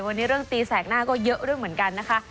วันนี้เรื่องตีแสกหน้าก็เยอะเรื่องเหมือนกันนะคะ